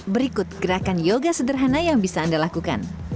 berikut gerakan yoga sederhana yang bisa anda lakukan